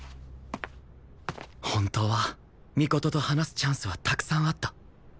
本当は尊と話すチャンスはたくさんあった